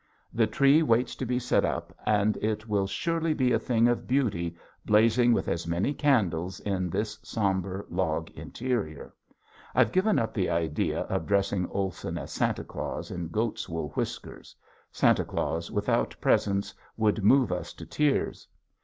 The tree waits to be set up and it will surely be a thing of beauty blazing with its many candles in this somber log interior. I've given up the idea of dressing Olson as Santa Claus in goat's wool whiskers. Santa Claus without presents would move us to tears.